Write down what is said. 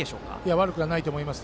悪くはないと思います。